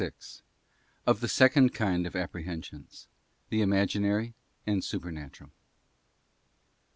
Of the second kind of Apprehensions: the Imaginary and Supernatural.